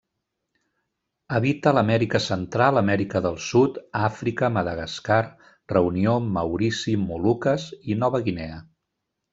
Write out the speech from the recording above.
Habita l'Amèrica Central, Amèrica del Sud, Àfrica, Madagascar, Reunió, Maurici, Moluques i Nova Guinea.